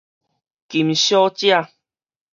金小姐